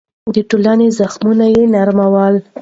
د ټولنې زخمونه يې نرمول.